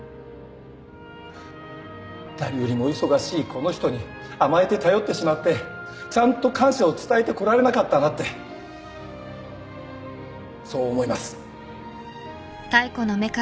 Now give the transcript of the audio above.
誰よりも忙しいこの人に甘えて頼ってしまってちゃんと感謝を伝えてこられなかったなってそう思います。